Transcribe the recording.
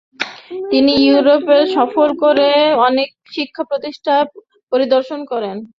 তিনি ইউরোপ সফর করে অনেক শিক্ষা প্রতিষ্ঠান পরিদর্শন করেছেন।